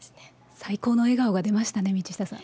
最高の笑顔が出ましたね、道下さん。